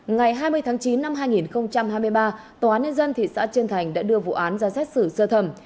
ngày hai mươi tháng chín năm hai nghìn hai mươi ba tòa án nhân dân thị xã trân thành đã đưa vụ án ra xét xử sơ thẩm